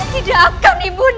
tidak akan ibunda